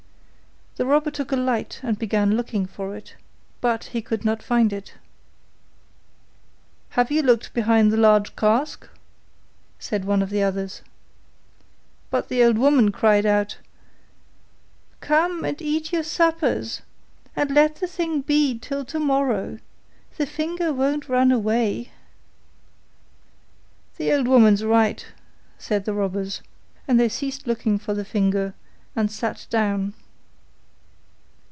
The robber took a light and began looking for it, but he could not find it. 'Have you looked behind the large cask?' said one of the others. But the old woman called out, 'Come and eat your suppers, and let the thing be till tomorrow; the finger won't run away.' 'The old woman is right,' said the robbers, and they ceased looking for the finger and sat down.